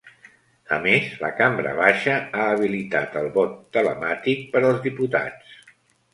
A més, la cambra baixa ha habilitat el vot telemàtic per als diputats.